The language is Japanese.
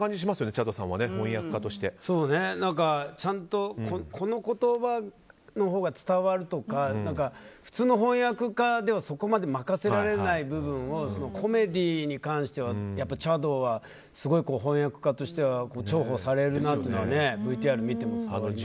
チャドさんはちゃんとこの言葉のほうが伝わるとか普通の翻訳家ではそこまで任せられない部分をコメディーに関してはチャドはすごい翻訳家としては重宝されるなというのはＶＴＲ見ても伝わってきました。